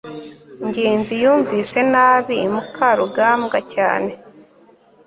ngenzi yumvise nabi mukarugambwa cyane